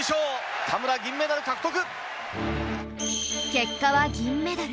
結果は銀メダル